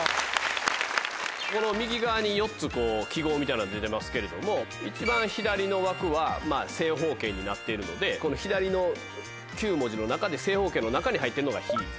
この右側に４つ記号みたいなの出てますけれども一番左の枠は正方形になっているので左の９文字の中で正方形の中に入ってんのが「ひ」。